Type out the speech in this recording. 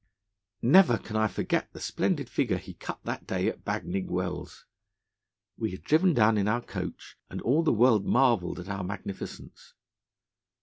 'Never can I forget the splendid figure he cut that day at Bagnigge Wells. We had driven down in our coach, and all the world marvelled at our magnificence.